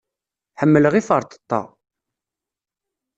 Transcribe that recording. Ḥemmleɣ iferṭeṭṭa.